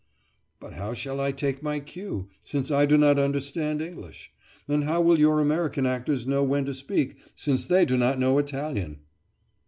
"But how shall I take my cue, since I do not understand English? And how will your American actors know when to speak, since they do not know Italian?"